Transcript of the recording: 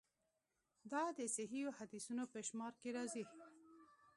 دا د صحیحو حدیثونو په شمار کې راځي.